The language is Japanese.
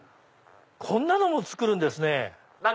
こんなのも作るんですね。